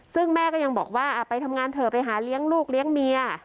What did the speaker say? ซึ่งแม่ก็ยังบอกว่าไปทำงานเถอะไปหาเลี้ยงลูกเลี้ยงเมีย